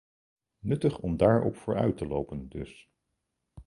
Nuttig om daar op vooruit te lopen dus.